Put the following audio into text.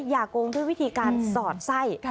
โกงด้วยวิธีการสอดไส้